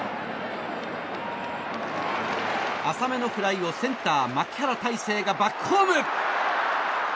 浅めのフライを、センター牧原大成がバックホーム！